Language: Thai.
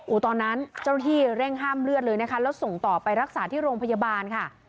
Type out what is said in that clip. ตอนนั้นเจ้าที่เร่งห้ามเลือดเลยนะคะแล้วส่งต่อไปรักษาที่โรงพยาบาลค่ะ